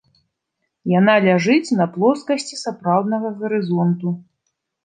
Яна ляжыць на плоскасці сапраўднага гарызонту.